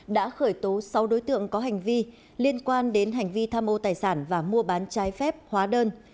đã khởi tố sáu đối tượng có hành vi liên quan đến hành vi tham ô tài sản và mua bán trái phép hóa đơn